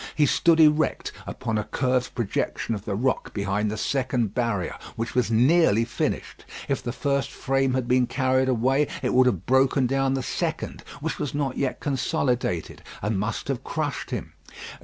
He stood erect, upon a curved projection of the rock behind the second barrier, which was nearly finished. If the first frame had been carried away, it would have broken down the second, which was not yet consolidated, and must have crushed him.